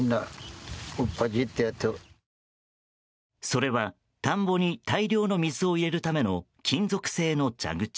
それは、田んぼに大量の水を入れるための金属製の蛇口。